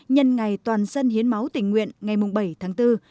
nhân ngày toàn dân hiến máu tình nguyện ngày bảy tháng bốn